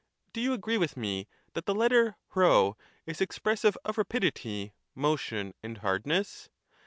Do you agree with me that the letter p is expressive of rapidity, motion, and hard ness?